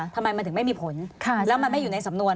ทำไมมันถึงไม่มีผลแล้วมันไม่อยู่ในสำนวน